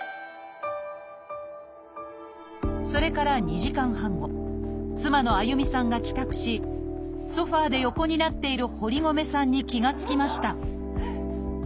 それから２時間半後妻のあゆみさんが帰宅しソファーで横になっている堀米さんに気が付きました